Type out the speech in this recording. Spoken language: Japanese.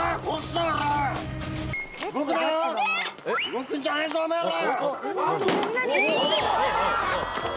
動くんじゃねえぞおめぇら！